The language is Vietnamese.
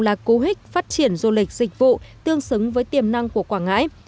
là cú hích phát triển du lịch dịch vụ tương xứng với tiềm năng của quảng ngãi